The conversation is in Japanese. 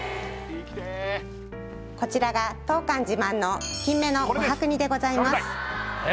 こちらが当館自慢の金目の琥珀煮でございます